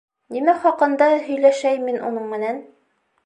Нимә хаҡында һөйләшәйем мин уның менән?